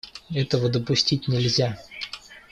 Этого допустить нельзя.